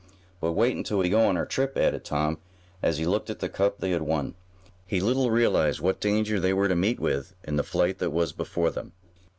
"But wait until we go on our trip," added Tom, as he looked at the cup they had won. He little realized what danger they were to meet with in the flight that was before them.